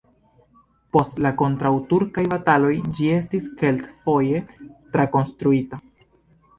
Post la kontraŭturkaj bataloj ĝi estis kelkfoje trakonstruita.